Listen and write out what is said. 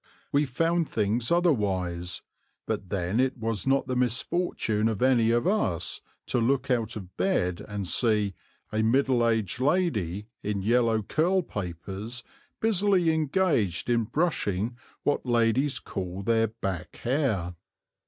We found things otherwise, but then it was not the misfortune of any of us to look out of bed and see "a middle aged lady, in yellow curl papers, busily engaged in brushing what ladies call their back hair."